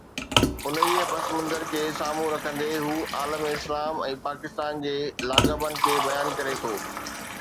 انهيءَ پس منظر کي سامهون رکندي هو عالم اسلام ۽ پاڪستان جي لاڳاپن کي بيان ڪري ٿو.